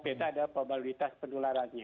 beta adalah probabilitas pendularannya